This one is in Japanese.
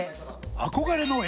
憧れのえ